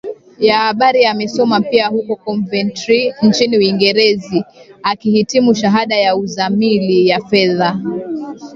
ya Habari Amesoma pia huko Coventry nchini Uingereza akihitimu Shahada ya Uzamili ya Fedha